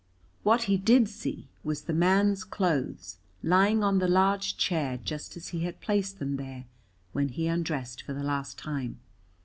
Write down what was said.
What he did see was the man's clothes lying on the large chair just as he had placed them there when he undressed for the last time.